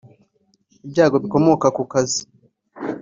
ibyago bikomoka ku kazi